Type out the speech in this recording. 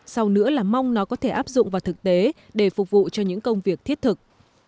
sau nữa là mong nó có thể áp dụng vào thực tế để phục vụ cho những công việc thiết thực